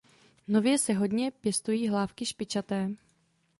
Nově se hodně pěstují hlávky špičaté.